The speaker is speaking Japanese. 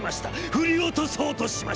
振り落とそうとしました。